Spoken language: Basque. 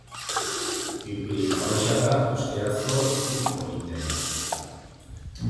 Pinpilinpauxa da euskerazko hitzik politena.